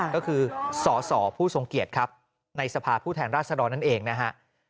ก็คือสสผู้ทรงเกียรติครับในสภาพผู้แทนราชดรนั่นเองนะฮะ